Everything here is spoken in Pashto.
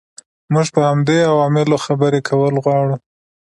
موږ په همدې عواملو خبرې کول غواړو.